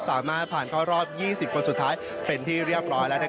สามารถผ่านเข้ารอบ๒๐คนสุดท้าย